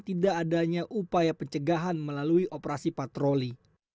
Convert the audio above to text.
tidak adanya upaya pencegahan melalui operasi patroli